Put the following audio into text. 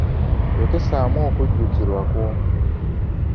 Yokesaamu okujulirwa kwo.